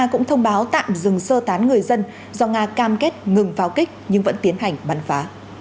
cũng thông báo tạm dừng sơ tán người dân do nga cam kết ngừng pháo kích nhưng vẫn tiến hành bắn phá